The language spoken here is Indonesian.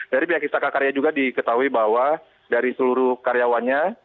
dari pihak istaka karya juga diketahui bahwa dari seluruh karyawannya